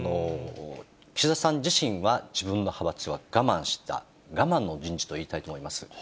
岸田さん自身は自分の派閥は我慢した、我慢の人事といいたいと思います。